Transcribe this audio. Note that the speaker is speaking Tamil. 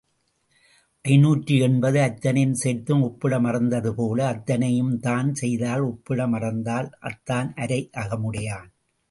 ஐநூற்று எண்பது அத்தனையும் சேர்த்தும் உப்பிட மறந்தது போல, அத்தனையும்தான் செய்தாள், உப்பிட மறந்தாள், அத்தான் அரை அகமுடையான்.